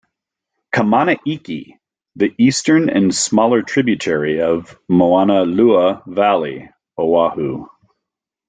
Kamana Iki - The eastern and smaller tributary of Moana-lua Valley, O'ahu.